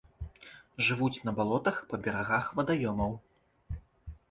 Жывуць на балотах, па берагах вадаёмаў.